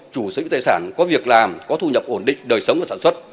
chủ sở hữu tài sản có việc làm có thu nhập ổn định đời sống và sản xuất